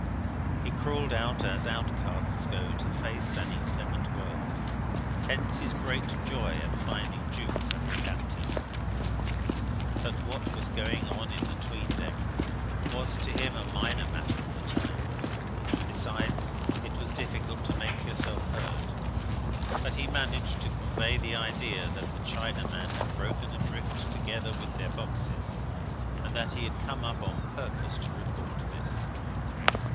He crawled out as outcasts go to face an inclement world. Hence his great joy at finding Jukes and the Captain. But what was going on in the 'tween deck was to him a minor matter by that time. Besides, it was difficult to make yourself heard. But he managed to convey the idea that the Chinaman had broken adrift together with their boxes, and that he had come up on purpose to report this.